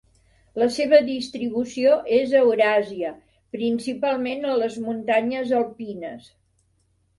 La seva distribució és a Euràsia, principalment a les muntanyes alpines.